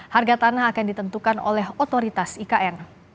harga tanah akan ditentukan oleh otoritas ikn